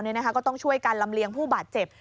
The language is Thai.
ก็ต้องช่วยกันลำเลียงผู้บาดเจ็บ